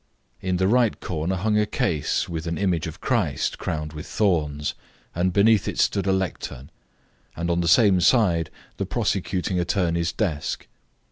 In the right corner hung a case, with an image of Christ crowned with thorns, and beneath it stood a lectern, and on the same side the prosecuting attorney's desk.